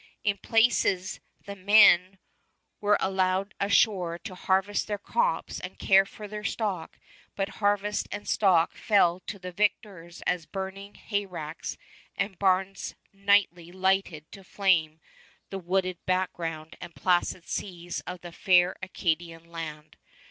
In places the men were allowed ashore to harvest their crops and care for their stock; but harvest and stock fell to the victors as burning hayricks and barns nightly lighted to flame the wooded background and placid seas of the fair Acadian land.